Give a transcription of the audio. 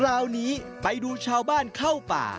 คราวนี้ไปดูชาวบ้านเข้าป่า